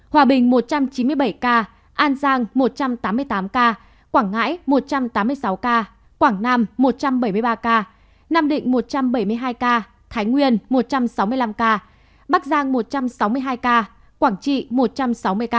hòa bình một trăm chín mươi bảy ca an giang một trăm tám mươi tám ca quảng ngãi một trăm tám mươi sáu ca quảng nam một trăm bảy mươi ba ca nam định một trăm bảy mươi hai ca thái nguyên một trăm sáu mươi năm ca bắc giang một trăm sáu mươi hai ca quảng trị một trăm sáu mươi ca